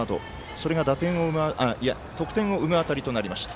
それが得点を生む当たりとなりました。